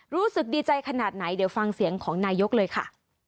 รู้สึกดีใจขนาดไหนเดี๋ยวฟังเสียงของนายกเลยค่ะ